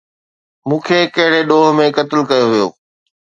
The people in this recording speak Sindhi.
مون کي ڪهڙي ڏوهه ۾ قتل ڪيو ويو؟